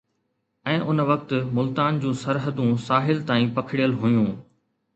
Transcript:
۽ ان وقت ملتان جون سرحدون ساحل تائين پکڙيل هيون